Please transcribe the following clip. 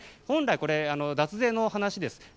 本来、これは脱税の話です。